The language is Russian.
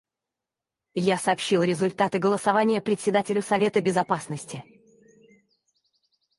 Я сообщил результаты голосования Председателю Совета Безопасности.